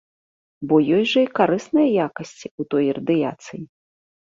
Бо ёсць жа і карысныя якасці ў той радыяцыі.